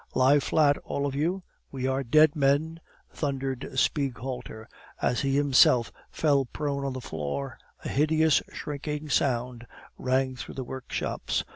"Lie flat, all of you; we are dead men!" thundered Spieghalter, as he himself fell prone on the floor. A hideous shrieking sound rang through the workshops.